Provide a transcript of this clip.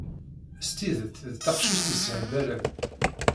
S tidet d taqcict yessehbalen.